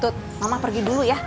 mama pergi dulu ya